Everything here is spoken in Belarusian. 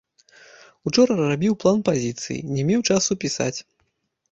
Учора рабіў план пазіцыі, не меў часу пісаць.